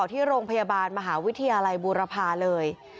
ที่โรงพยาบาลมหาวิทยาลัยบูรพาเลย